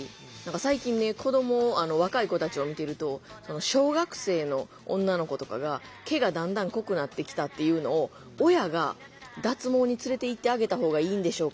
最近ね若い子たちを見てると小学生の女の子とかが毛がだんだん濃くなってきたっていうのを親が「脱毛に連れていってあげた方がいいんでしょうか。